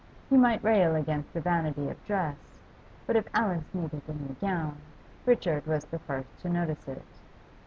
He might rail against the vanity of dress, but if Alice needed a new gown, Richard was the first to notice it.